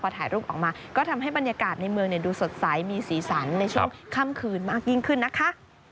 ถ่ายรูปออกมาก็ทำให้บรรยากาศในเมืองดูสดใสมีสีสันในช่วงค่ำคืนมากยิ่งขึ้นนะคะ